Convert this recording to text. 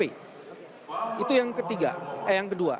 itu yang kedua